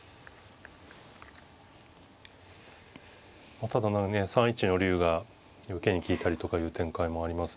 まあただ３一の竜が受けに利いたりとかいう展開もありますので。